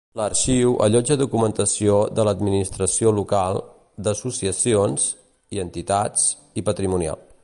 L'arxiu allotja documentació de l'administració local, d'associacions i entitats i patrimonial.